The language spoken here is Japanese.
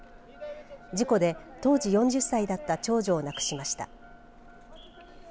事故で当時４０歳だった長女を亡くしました。